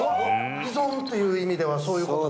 依存という意味ではそういうことなんですね